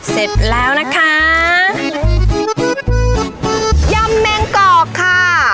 เสร็จแล้วนะคะยำแมงกอกค่ะ